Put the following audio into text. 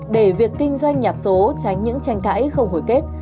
để việc kinh doanh nhạc số tránh những tranh cãi không hồi kết